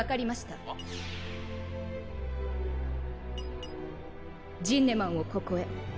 ピッピッジンネマンをここへ。